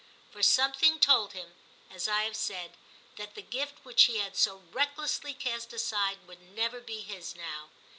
For something told him, as I have said, that the gift which he had so recklessly cast aside, would never be his now.